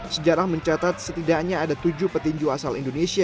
sejarah mencatat setidaknya ada tujuh petinju asal indonesia